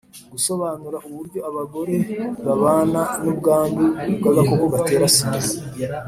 Gusobanura uburyo abagore babana n ubwandu bw agakoko gatera sida